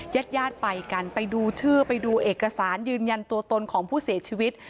ญาติญาติไปกันไปดูชื่อไปดูเอกสารยืนยันตัวตนของผู้เสียชีวิต